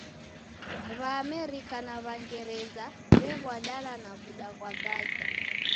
W'aamerika na W'angereza w'ew'adana kwa w'uda ghwa Gaza.